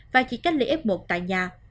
và chỉ cách ly f một tại nhà